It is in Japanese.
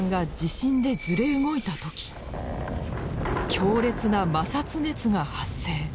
強烈な摩擦熱が発生。